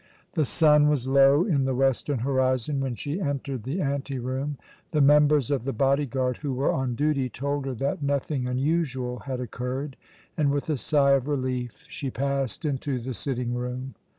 The sun was low in the western horizon when she entered the anteroom. The members of the body guard who were on duty told her that nothing unusual had occurred, and with a sigh of relief she passed into the sitting room.